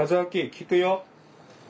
聞くよ？